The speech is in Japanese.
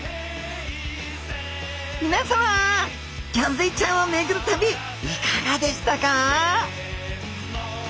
皆さまギョンズイちゃんを巡る旅いかがでしたか？